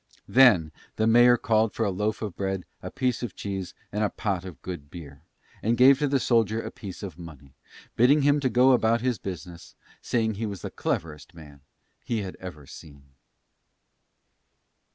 Then the mayor called for a loaf of bread, a piece of cheese, and a pot of good beer, and gave to the soldier a piece of money, bidding him to go about his business, saying he was the cleverest man he had ever seen.